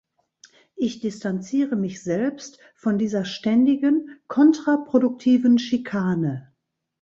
Ich distanziere mich selbst von dieser ständigen, kontraproduktiven Schikane.